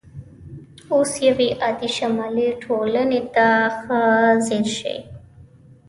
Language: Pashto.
اوس یوې عادي شمالي ټولنې ته ښه ځیر شئ